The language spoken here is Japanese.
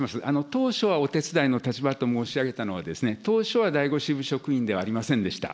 当初はお手伝いの立場と申し上げたのは、当初は第５支部職員ではありませんでした。